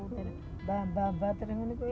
mbah mbah mbah terima kasih